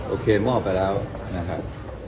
โอเคมอบไปแล้วนะครับ